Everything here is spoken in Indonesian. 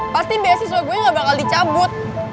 pastiin beasiswa gue gak bakal dicabut